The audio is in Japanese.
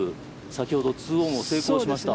先ほど２オンを成功しました